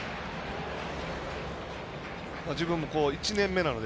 自分も１年目なので。